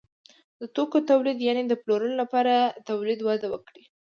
د توکو تولید یعنې د پلورلو لپاره تولید وده وکړه.